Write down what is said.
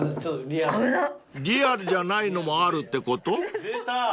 ［リアルじゃないのもあるってこと？］